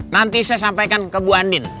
nanti saya sampaikan ke bu andin